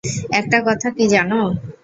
একটা কথা কী জানো?